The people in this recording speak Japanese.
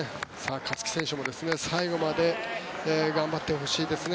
勝木選手も最後まで頑張ってほしいですね。